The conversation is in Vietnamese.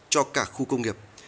cho cả khu công nghiệp